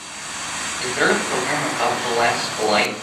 is there a program about The Last Flight?